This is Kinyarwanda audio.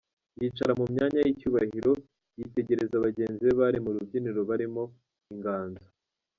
yicara mu myanya y’icyubahiro yitegereza bagenzi be bari ku rubyiniro barimo ‘Inganzo.